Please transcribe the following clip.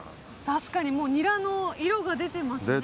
確かにニラの色が出ていますね。